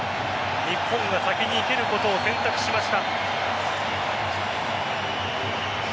日本が先に蹴ることを選択しました。